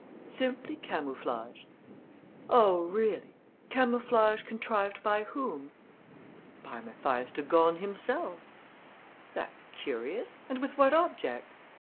"Simply camouflage." "Oh, really? Camouflage contrived by whom?" "By Mathias de Gorne himself." "That's curious! And with what object?"